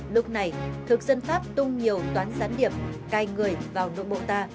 lúc này thực dân pháp tung nhiều toán gián điệp cai người vào nội bộ ta